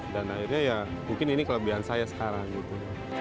dan akhirnya ya mungkin ini kelebihan saya sekarang gitu